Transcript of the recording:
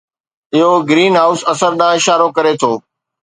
اهو greenhouse اثر ڏانهن اشارو ڪري ٿو